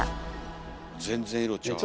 全然色ちゃう。